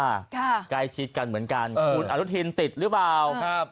ค่ะใกล้ชิดกันเหมือนกันคุณอนุทินติดหรือเปล่าครับ